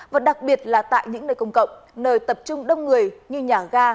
và đặc biệt là tại những nơi công cộng nơi tập trung đông người như nhà ga